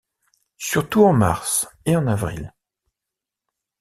Surtout en mars et en avril.